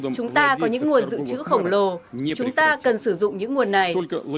chúng ta có những nguồn dự trữ khổng lồ chúng ta cần sử dụng những nguồn này